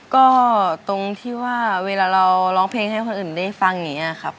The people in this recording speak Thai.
ก็ตรงที่ว่าเวลาเราร้องเพลงให้คนอื่นได้ฟังอย่างนี้ครับ